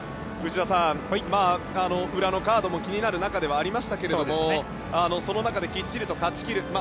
内田さん、裏のカードも気になる中ではありましたけどもその中できっちり勝ちきる。